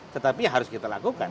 tetapi harus kita lakukan